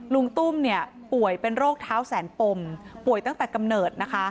ลุงตุ้มป่วยเป็นโรคเท้าแสนปมป่วยตั้งแต่กำเนิดนะคะ